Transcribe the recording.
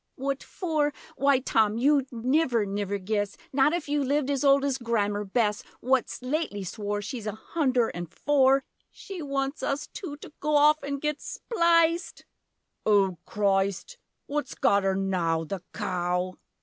What for? Why Tom, you'd niver niver guess! Not if you lived as old as Grammer Bess What's lately swore She's a hunder an' four She wants us two, to go off an' git spliced! Oh Christ! What's got 'er now: The cow!